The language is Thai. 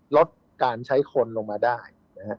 ลดการใช้คนลงมาได้